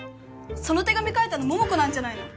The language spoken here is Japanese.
その手紙書いたの桃子なんじゃないの？